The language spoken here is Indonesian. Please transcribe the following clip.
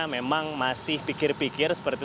memang masih pikir pikir